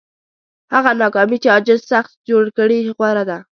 هغه ناکامي چې عاجز شخص جوړ کړي غوره ده.